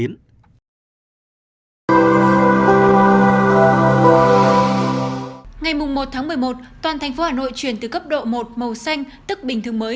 ngày một tháng một mươi một toàn thành phố hà nội chuyển từ cấp độ một màu xanh tức bình thường mới